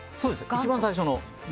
一番最初の。